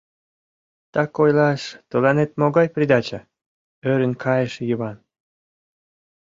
— Так ойлаш, тыланет могай придача? — ӧрын кайыш Йыван.